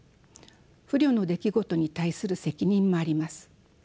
不慮の出来事に対する責任もあります。